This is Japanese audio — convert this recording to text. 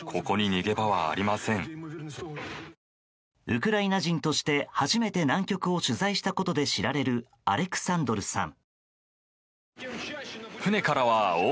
ウクライナ人として初めて南極を取材したことで知られるアレクサンドルさん。